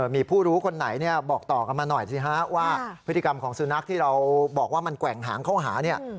มีผู้รู้คนไหนเนี่ยบอกต่อกันมาหน่อยสิฮะว่าพฤติกรรมของสุนัขที่เราบอกว่ามันแกว่งหางเข้าหาเนี่ย